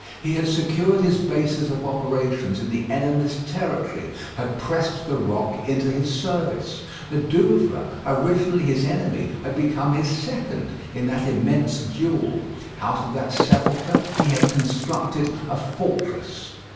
He had secured his basis of operations in the enemies' territory; had pressed the rock into his service. The Douvres, originally his enemy, had become his second in that immense duel. Out of that sepulchre he had constructed a fortress.